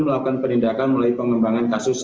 melakukan perlindakan melalui pengembangan kasus